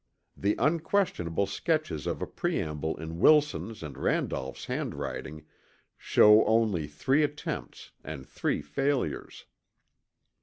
The unquestionable sketches of a preamble in Wilson's and Randolph's handwriting show only three attempts and three failures.